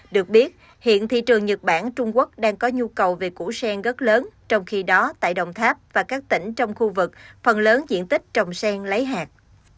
được biết hiện thị trường nhật bản trung quốc đang có nhu cầu về củ sen rất lớn trong khi đó tại đồng tháp và các tỉnh trong khu vực phần lớn diện tích trồng sen lấy hạt